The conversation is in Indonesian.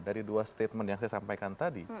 dari dua statement yang saya sampaikan tadi